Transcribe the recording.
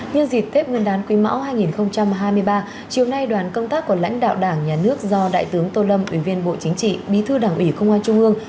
nhân dịp tết nguyên đán quý mão hai nghìn hai mươi ba chiều nay đoàn công tác của lãnh đạo đảng nhà nước do đại tướng tô lâm ủy viên bộ chính trị bí thư đảng ủy công an trung ương